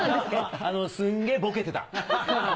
すんげぇボケてた。